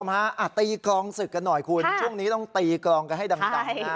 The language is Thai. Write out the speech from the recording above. ตีกลองศึกกันหน่อยคุณช่วงนี้ต้องตีกลองกันให้ดังนะฮะ